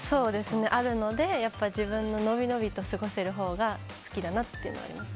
あるので自分がのびのびと過ごせるほうが好きだなと思います。